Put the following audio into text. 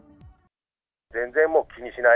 全然もう気にしない。